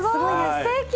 すてき！